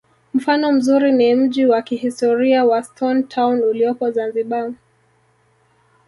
mfano mzuri ni mji wa kihistoria wa stone town uliopo zanzibar